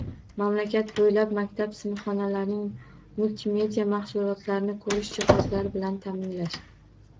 Mamlakat bo‘ylab maktab sinfxonalarini multimedia mahsulotlarini ko‘rish jihozlari bilan ta’minlash.